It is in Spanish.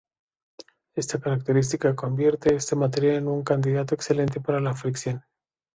Esta característica convierte a este material en un candidato excelente para la fricción.